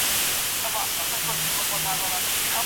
زيات توليد د بيو د ټيټېدو سبب ګرځي.